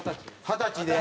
二十歳で。